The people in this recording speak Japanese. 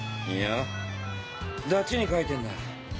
いやダチに書いてんだ。